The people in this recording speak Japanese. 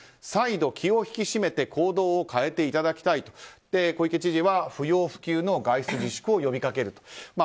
再度、気を引き締めて行動を変えていただきたいと小池知事は不要不急の外出自粛を呼びかけると。